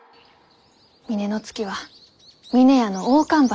峰乃月は峰屋の大看板。